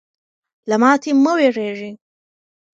له ماتې مه ویرېږئ.